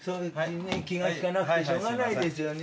気が利かなくてしょうがないですよね。